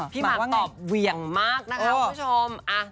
พี่มาร์คตอบเหวี่ยงมากนะคะ